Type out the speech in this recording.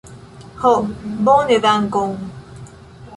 Ho, bone, dankon.